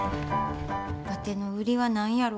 わての売りは何やろか？